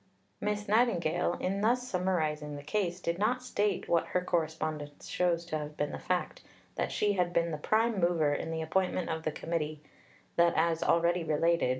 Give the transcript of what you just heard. Miss Nightingale, in thus summarizing the case, did not state, what her correspondence shows to have been the fact, that she had been the prime mover in the appointment of the Committee; that, as already related (p.